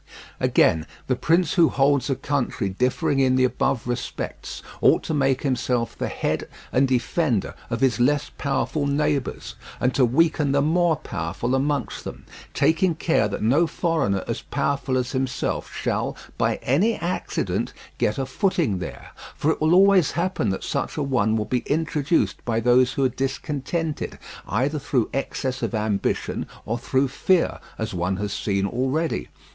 Again, the prince who holds a country differing in the above respects ought to make himself the head and defender of his less powerful neighbours, and to weaken the more powerful amongst them, taking care that no foreigner as powerful as himself shall, by any accident, get a footing there; for it will always happen that such a one will be introduced by those who are discontented, either through excess of ambition or through fear, as one has seen already.